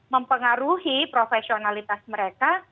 mempengaruhi profesionalitas mereka